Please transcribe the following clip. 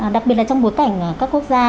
đặc biệt là trong bố tảnh các quốc gia